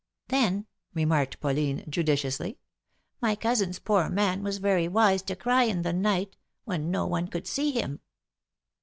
Then," remarked Pauline, judiciously, '^my cousin's poor man was, very wise to cry in the night, when no one could see him